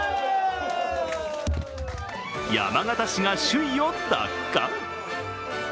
山形市が首位を奪還！